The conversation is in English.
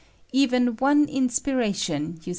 Even one inspiration, you.